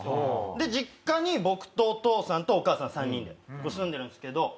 で実家に僕とお父さんとお母さん３人で住んでるんですけど。